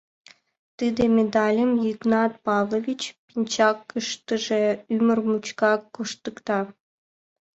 Тиде медальым Йыгнат Павлович пинчакыштыже ӱмыр мучкак коштыкта.